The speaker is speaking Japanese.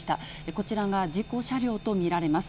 こちらが事故車両と見られます。